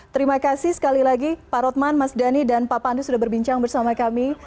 terima kasih sekali lagi pak rotman mas dhani dan pak pandu sudah berbincang bersama kami